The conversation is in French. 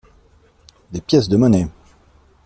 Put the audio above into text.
Des pièces de monnaie!...